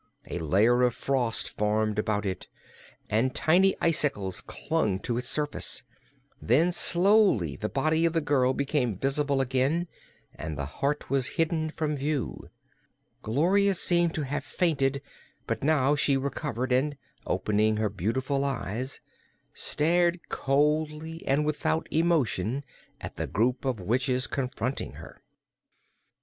A layer of frost formed about it and tiny icicles clung to its surface. Then slowly the body of the girl became visible again and the heart was hidden from view. Gloria seemed to have fainted, but now she recovered and, opening her beautiful eyes, stared coldly and without emotion at the group of witches confronting her.